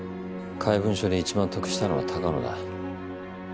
怪文書で一番得したのは鷹野だ。